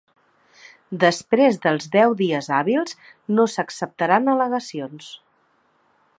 Després dels deu dies hàbils, no s'acceptaran al·legacions.